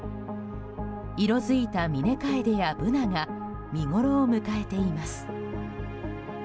色づいたミネカエデやブナが見ごろを迎えています。